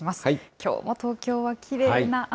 きょうも東京はきれいな青。